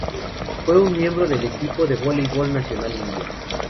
Fue un miembro del equipo de voleibol nacional indio.